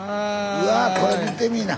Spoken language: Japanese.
うわこれ見てみいな。